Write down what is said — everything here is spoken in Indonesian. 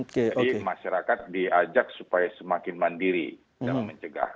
jadi masyarakat diajak supaya semakin mandiri dalam mencegah